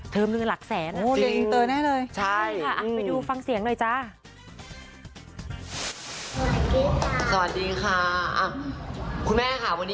เทอมเดือนหลักแสน